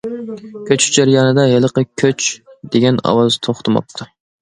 كۆچۈش جەريانىدا ھېلىقى كۆچ دېگەن ئاۋاز توختىماپتۇ.